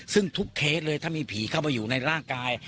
ซึ่งทุกเคสเลยถ้ามีผีเข้าไปอยู่ในร่างกาย